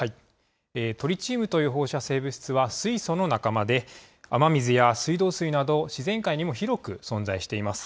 トリチウムという放射性物質は水素の仲間で、雨水や水道水など、自然界にも広く存在しています。